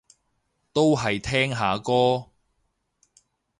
都係聽下歌